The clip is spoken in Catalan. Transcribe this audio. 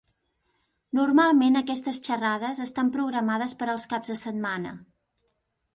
Normalment aquestes xerrades estan programades per als caps de setmana.